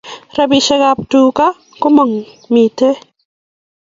Rapishek ab tuka ko mamiten